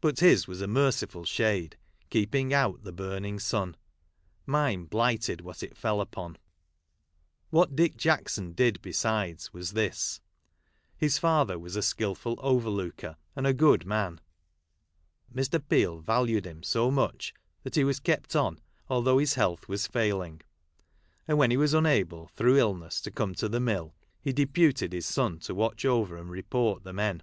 But his was a merciful shade, keeping out the burning sun ; mine blighted what it fell upon. What Dick Jackson did besides, was this, His father was a skilful overlooker, and a good man ; Mr. Peel valued him so much, that he was kept on, although his health was failing ; and when he was unable, through illness, to come to the mill, he deputed his son to watch over and report the men.